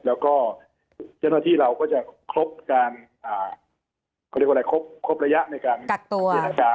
แล้วก็เจ้าหน้าที่เราก็จะครบระยะในการกัดตัว